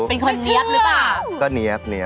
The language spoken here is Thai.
เป็นคนเนี๊ยบหรือเปล่า